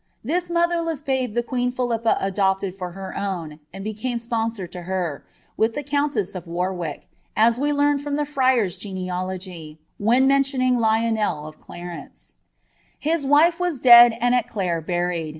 This motherless babe the quet^n Philip|ia adopted for her own, and became sponsor to her, with the connieaa of Warwick, as we leam from the Fnar^s Genealogy, when roentioniDg Lionel of Clarence :■' Hia wife wu dead anii at Oue bniieil.